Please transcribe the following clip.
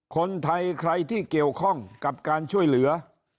คนไทยใครที่เกี่ยวข้องกับการช่วยเหลือ